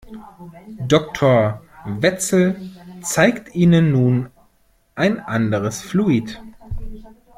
Doktor Wetzel zeigt Ihnen nun ein anderes Fluid.